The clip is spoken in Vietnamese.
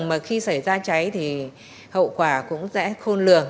mà khi xảy ra cháy thì hậu quả cũng dễ khôn lường